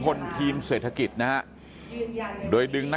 การสอบส่วนแล้วนะ